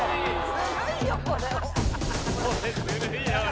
ずるいよこれ。